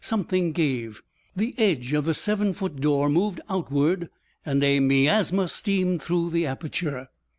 Something gave. The edge of the seven foot door moved outward and a miasma steamed through the aperture.